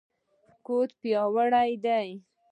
ګوډې پیاوړې دي.